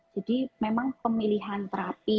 jadi memang pemilihan terapi